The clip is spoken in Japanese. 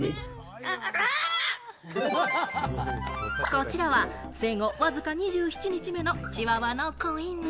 こちらは生後わずか２７日目のチワワの子犬。